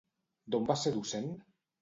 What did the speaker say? D'on va ser docent?